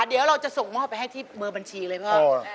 เดี๋ยวเราจะส่งมอบไปให้ที่เบอร์บัญชีเลยพ่อ